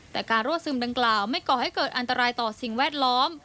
แต่การรั่วซึมดังกล่าวไม่ก่อให้เกิดอันตรายต่อสิ่งแวดล้อม